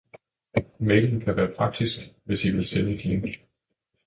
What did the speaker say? Mailen kan være praktisk hvis I vil sende et link